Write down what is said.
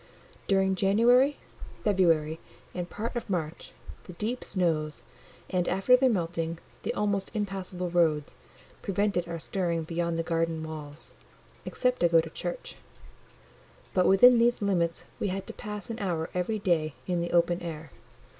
During January, February, and part of March, the deep snows, and, after their melting, the almost impassable roads, prevented our stirring beyond the garden walls, except to go to church; but within these limits we had to pass an hour every day in the open air.